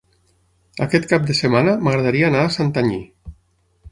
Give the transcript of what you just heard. Aquest cap de setmana m'agradaria anar a Santanyí.